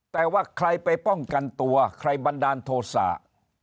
แต่ว่าใครไปป้องกันตัวใครบันดาลโทษะ